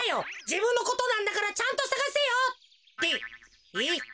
じぶんのことなんだからちゃんとさがせよ！ってえっ？